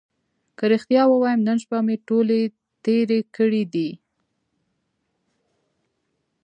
که رښتیا ووایم نن شپه مې ټولې تېرې کړې دي.